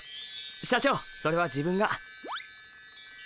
社長それは自分が。